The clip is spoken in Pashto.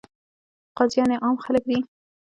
قاضیان یې عام خلک دي.